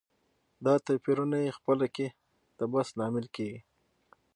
دا توپيرونه یې خپله کې د بحث لامل کېږي.